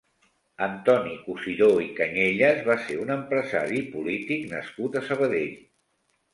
Antoni Cusidó i Cañellas va ser un empresari i polític nascut a Sabadell.